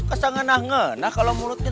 suka sang ngenah ngenah kalau mulutnya